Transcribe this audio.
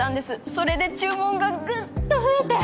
それで注文がぐっと増えて。